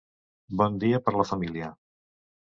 Bon dia per la família.